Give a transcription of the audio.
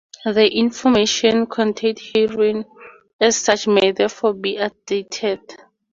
The information contained herein, as such, may therefore be outdated.